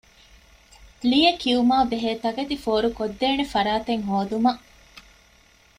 ލިޔެކިޔުމާބެހޭ ތަކެތި ފޯރުކޮށްދޭނެ ފަރާތެއް ހޯދުމަށް